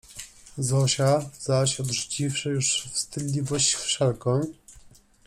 Zosia zaś odrzuciwszy już wstydliwość wszelką